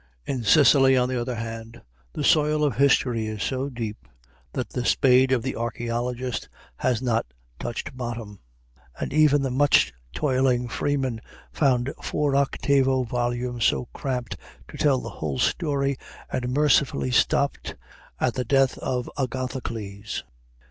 In Sicily, on the other hand, the soil of history is so deep that the spade of the archæeologist has not touched bottom, and even the much toiling Freeman found four octavo volumes too cramped to tell the whole story, and mercifully stopped at the death of Agathocles.